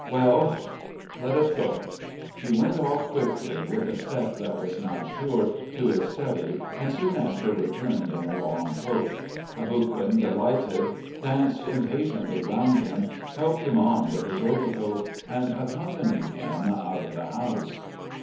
"Well, let us go!" He went off quickly, with a step that was now sure, to his study and soon after returned in a long coat. Aboguin, delighted, danced impatiently round him, helped him on with his overcoat, and accompanied him out of the house.